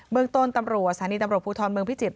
เมืองต้นตำรวจสถานีตำรวจภูทรเมืองพิจิตร